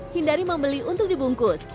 hindari membeli untuk dibungkus